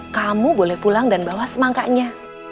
kamu boleh pulang dan bawa semangkanya